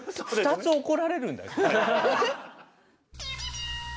２つ怒られるんだよ？